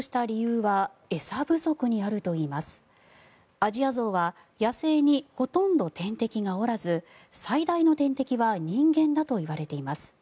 アジアゾウは野生にほとんど天敵がおらず最大の天敵は人間だといわれています。